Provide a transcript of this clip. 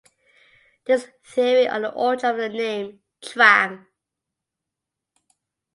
There is theory on the origin of the name "Trang".